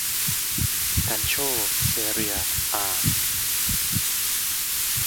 กัลโช่ เซเรีย อา